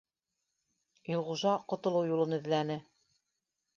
Илғужа ҡотолоу юлын эҙләне